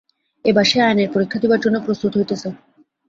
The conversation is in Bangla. এবার সে আইনের পরীক্ষা দিবার জন্য প্রস্তুত হইতেছে।